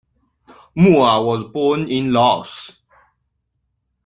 Moua was born in Laos.